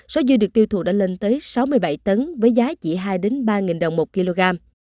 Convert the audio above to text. số dưa được tiêu thụ đã lên tới sáu mươi bảy tấn với giá chỉ hai ba đồng một kg